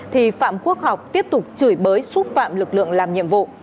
thì phạm quốc học tiếp tục chửi bới xúc phạm lực lượng làm nhiệm vụ